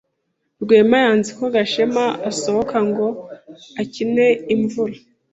Rwema yanze ko Gashema asohoka ngo akine imvura.